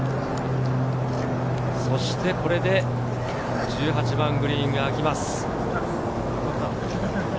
そしてこれで１８番のグリーンがあきます。